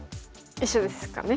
一緒ですかね？